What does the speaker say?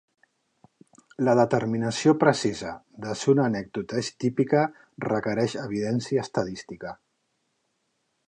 La determinació precisa de si una anècdota és "típica" requereix evidència estadística.